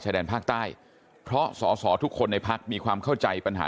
ชายแดนภาคใต้เพราะสศทุกคนในภักดิ์มีความเข้าใจปัญหา